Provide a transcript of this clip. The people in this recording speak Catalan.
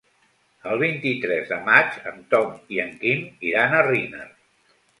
El vint-i-tres de maig en Tom i en Quim iran a Riner.